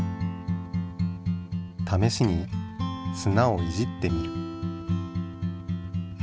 試しにすなをいじってみる。